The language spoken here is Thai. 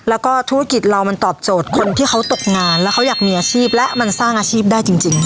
แล้วก็ธุรกิจเรามันตอบโจทย์คนที่เขาตกงานแล้วเขาอยากมีอาชีพและมันสร้างอาชีพได้จริง